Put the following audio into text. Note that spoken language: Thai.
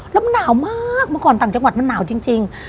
แล้วมันหนาวมากเมื่อก่อนต่างจังหวัดมันหนาวจริง